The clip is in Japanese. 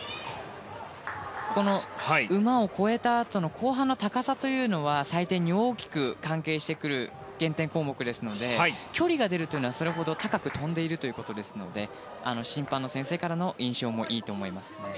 ウマを越えたあとの後半の高さというのは採点に大きく関係してくる減点項目ですので距離が出るというのはそれほど高く跳んでいるということですので審判の先生からの印象もいいと思います。